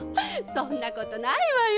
そんなことないわよ。